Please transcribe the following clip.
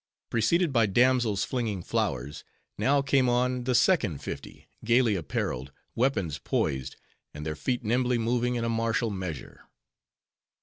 Preceded by damsels flinging flowers, now came on the second fifty, gayly appareled, weapons poised, and their feet nimbly moving in a martial measure.